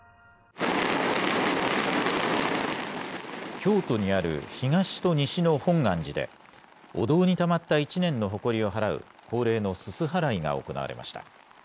京都にある東と西の本願寺で、お堂にたまった１年のほこりを払う、恒例のすす払いが行われました。